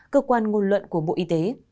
cơ quan ngôn luận của bộ y tế